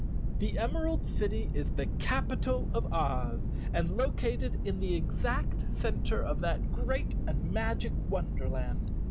The Emerald City is the capital of Oz and located in the exact center of that great and magic wonderland.